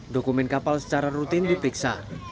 dokumen kapal secara rutin diperiksa